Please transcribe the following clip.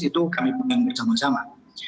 itu kami penganggur sama sama